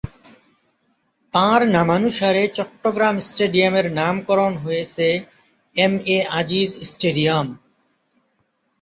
তাঁর নামানুসারে চট্টগ্রাম স্টেডিয়ামের নামকরণ হয়েছে এম.এ আজিজ স্টেডিয়াম।